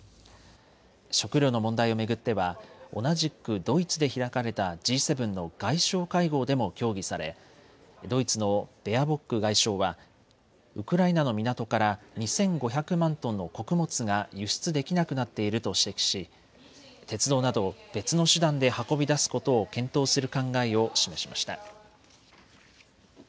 食料の問題を巡っては同じくドイツで開かれたＧ７の外相会合でも協議されドイツのベアボック外相はウクライナの港から２５００万トンの穀物が輸出できなくなっていると指摘し鉄道など別の手段で運び出すことを検討する考えを示しました。